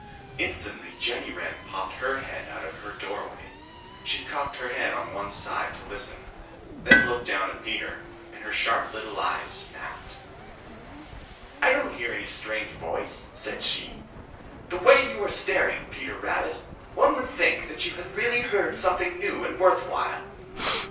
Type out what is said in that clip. Instantly Jenny Wren popped her head out of her doorway. She cocked her head on one side to listen, then looked down at Peter, and her sharp little eyes snapped. "I don't hear any strange voice," said she. "The way you are staring, Peter Rabbit, one would think that you had really heard something new and worth while."